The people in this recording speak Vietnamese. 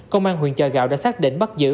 công an huyện chợ gạo đã xác định bắt giữ